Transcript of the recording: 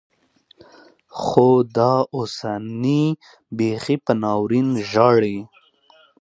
خو دا اوسنۍيې بيخي په ناورين ژاړي.